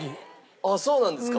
あっそうなんですか？